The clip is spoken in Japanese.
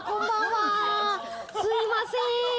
すいません。